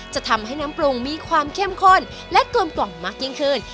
จะทำให้น้ำปรุงมีความเข้มข้นและกลมกล่อมมากยิ่งขึ้น